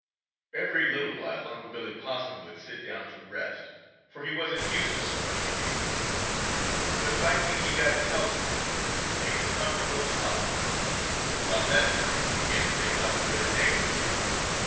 Every little while Unc' Billy Possum would sit down to rest, for he wasn't used to so much real work. But finally he got his house clean and made as comfortable as possible, and about that time be began to think how good an egg would taste.